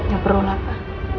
gak perlu nata